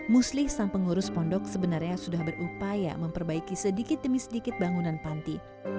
muslih sang pengurus pondok sebenarnya sudah berupaya memperbaiki sedikit demi sedikit bangunan panti